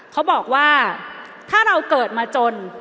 เขาบอกว่าถ้าเราเกิดมาจน